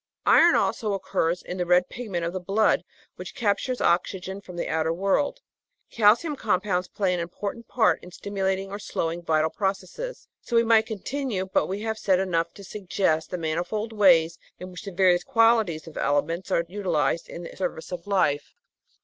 Iron also occurs in the red pigment of the blood which captures oxygen from the outer world. Calcium compounds play an important part in stimu lating or slowing vital processes. So we might continue, but we have said enough to suggest the manifold ways in which the various qualities of elements are utilised in the service of life.